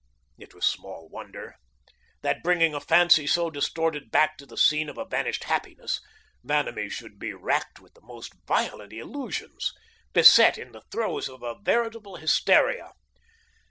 It was small wonder that, bringing a fancy so distorted back to the scene of a vanished happiness, Vanamee should be racked with the most violent illusions, beset in the throes of a veritable hysteria.